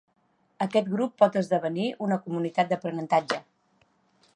Aquest grup pot esdevenir una comunitat d'aprenentatge.